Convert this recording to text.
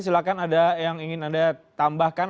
silahkan ada yang ingin anda tambahkan